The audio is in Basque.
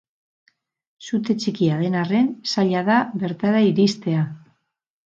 Sute txikia den arren, zaila da bertara iristea.